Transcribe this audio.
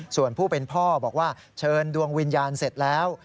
ส่วนผู้เป็นพ่อบอกว่าเชิญดวงวิญญาณเสร็จแล้ว